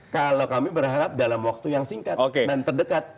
kalau kami berharap dalam waktu yang singkat dan terdekat